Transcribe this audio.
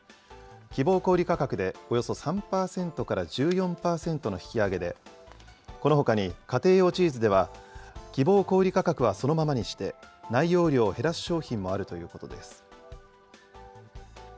希望小売り価格でおよそ３％から１４％の引き上げで、このほかに家庭用チーズでは、希望小売り価格はそのままにして、内容量を減らす商品もあるということです。